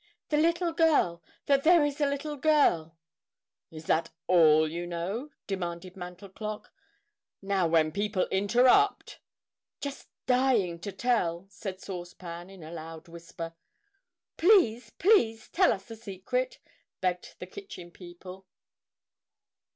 "The little girl that there is a little girl " "Is that all you know?" demanded Mantel Clock. "Now, when people interrupt " "Just dying to tell," said Sauce Pan in a loud whisper. "Please, please, tell us the secret," begged the Kitchen People.